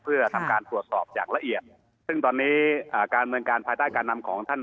เพื่อทำการตรวจสอบอย่างละเอียดซึ่งตอนนี้การเมืองการภายใต้การนำของท่าน